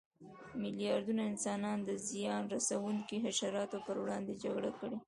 میلیاردونه انسانانو د زیان رسونکو حشراتو پر وړاندې جګړه کړې.